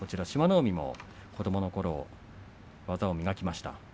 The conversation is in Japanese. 海も子どものころ技を磨きました。